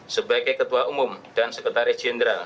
sebagai ketua umum dan sekretaris jenderal